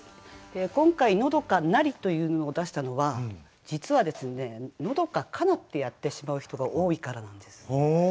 今回「長閑なり」というのを出したのは実はですね「長閑かな」ってやってしまう人が多いからなんです。